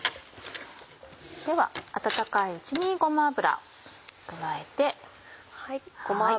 では温かいうちにごま油を加えて。